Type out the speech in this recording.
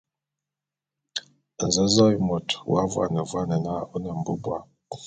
Nzōzôé môt ô vuane vuane na ô ne mbubua.